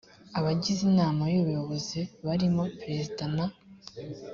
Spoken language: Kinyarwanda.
abagize inama y ubuyobozi barimo perezida na